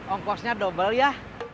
ongkosnya double ya